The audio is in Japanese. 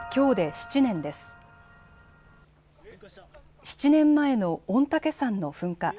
７年前の御嶽山の噴火。